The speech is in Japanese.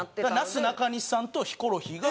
なすなかにしさんとヒコロヒーが。